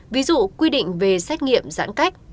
ví dụ quy định về xét nghiệm giãn cách